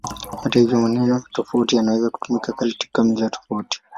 Hata hivyo, maneno tofauti yanaweza kutumika katika mila tofauti.